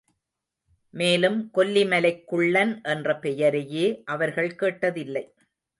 மேலும், கொல்லி மலைக் குள்ளன் என்ற பெயரையே அவர்கள் கேட்டதில்லை.